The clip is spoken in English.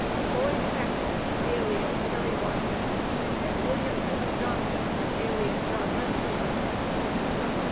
LLOYD HACKET, alias Perry Watkins and WILLIAM HENRY JOHNSON, alias John Wesley.